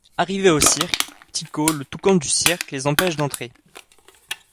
Arrivés au cirque, Tico, le toucan du cirque, les empêche d'entrer.